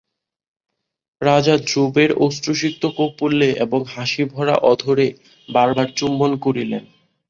রাজা ধ্রুবের অশ্রুসিক্ত কপোলে এবং হাসিভরা অধরে বার বার চুম্বন করিলেন।